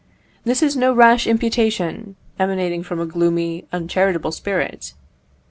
This is no rash imputation, emanating from a gloomy, uncharitable spirit.